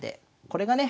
これがね